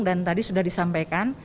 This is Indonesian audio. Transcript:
dan tadi sudah disampaikan